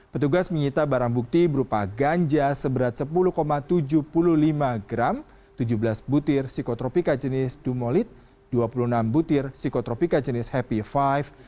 petugas menyita barang bukti berupa ganja seberat sepuluh tujuh puluh lima gram tujuh belas butir psikotropika jenis dumolit dua puluh enam butir psikotropika jenis happy five